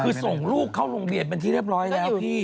คือส่งลูกเข้าโรงเรียนเป็นที่เรียบร้อยแล้วพี่